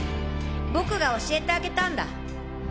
僕が教えてあげたんだ。